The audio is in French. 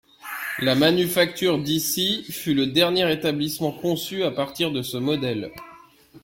La Manufacture d'Issy fut le dernier établissement conçu à partir de ce modèle.